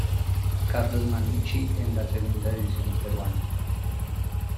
Carlos Mannucci en la Segunda división peruana.